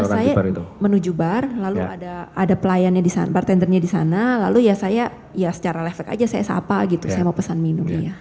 saya menuju bar lalu ada pelayan bar tendernya di sana lalu ya saya secara lefthack aja saya sapa gitu saya mau pesan minum